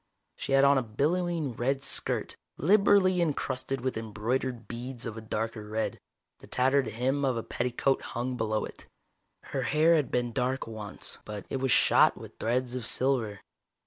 She had on a billowing red skirt, liberally encrusted with embroidered beads of a darker red. The tattered hem of a petticoat hung below it. Her hair had been dark once, but it was shot with threads of silver.